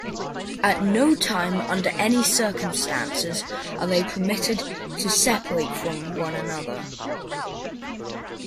At no time, under any circumstances are they permitted to separate from one another.